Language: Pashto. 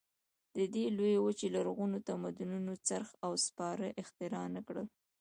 د دې لویې وچې لرغونو تمدنونو څرخ او سپاره اختراع نه کړل.